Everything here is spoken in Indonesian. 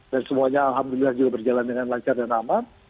dan semuanya alhamdulillah juga berjalan dengan lancar dan aman